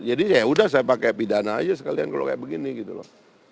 jadi yaudah saya pakai pidana aja sekalian kalau kayak begini gitu loh